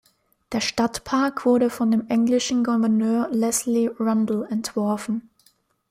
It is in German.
Der Stadtpark wurde von dem englischen Gouverneur Leslie Rundle entworfen.